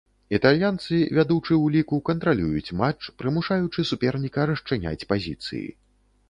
Італьянцы, вядучы ў ліку, кантралююць матч, прымушаючы суперніка расчыняць пазіцыі.